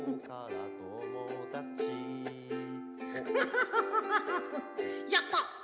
フフフフフやった。